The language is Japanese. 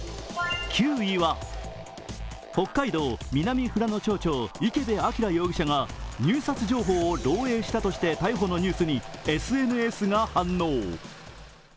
９位は北海道南富良野町長、池部彰容疑者が入札情報を漏洩したとして逮捕のニュースにＳＮＳが反応。